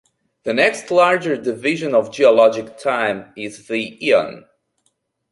The next-larger division of geologic time is the eon.